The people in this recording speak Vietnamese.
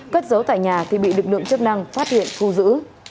cất giấu tại nhà thì bị lực lượng chức năng phát hiện thu giữ